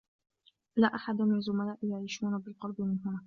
لا أحد من زملائي يعيشون بالقرب من هنا.